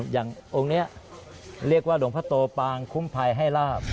อย่างองค์นี้เรียกว่าหลวงพ่อโตปางคุ้มภัยให้ลาบ